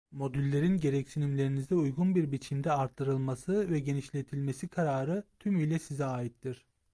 Modüllerin gereksinimlerinize uygun bir biçimde artırılması ve genişletilmesi kararı tümüyle size aittir.